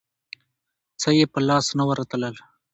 څه یې په لاس نه ورتلل.